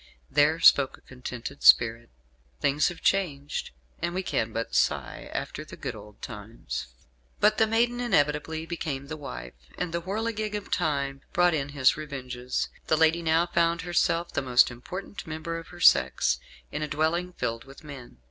There spoke a contented spirit. Things have changed, and we can but sigh after the good old times. But the maiden inevitably became the wife, and the whirligig of Time brought in his revenges. The lady now found herself the most important member of her sex, in a dwelling filled with men.